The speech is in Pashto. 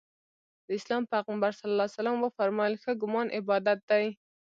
د اسلام پیغمبر ص وفرمایل ښه ګمان عبادت دی.